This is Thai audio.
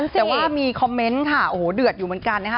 แต่ว่ามีคอมเมนต์ค่ะโอ้โหเดือดอยู่เหมือนกันนะคะ